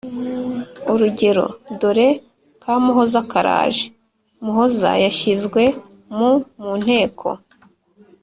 Urugero: Dore ka Muhoza karaje! Muhoza yashyizwe mu mu nteko